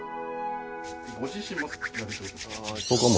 ご自身も。